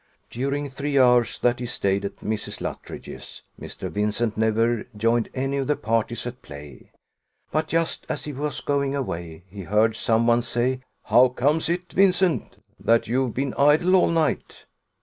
During three hours that he stayed at Mrs. Luttridge's, Mr. Vincent never joined any of the parties at play; but, just as he was going away, he heard some one say "How comes it, Vincent, that you've been idle all night?"